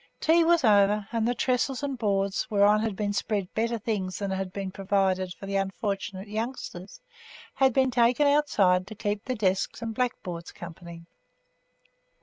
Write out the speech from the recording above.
Tea was over, and the trestles and boards, whereon had been spread better things than had been provided for the unfortunate youngsters, had been taken outside to keep the desks and blackboards company.